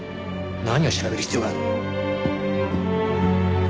何を調べる必要がある？